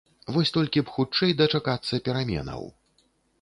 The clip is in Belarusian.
Вось толькі б хутчэй дачакацца пераменаў.